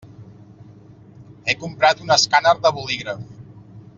He comprat un escàner de bolígraf.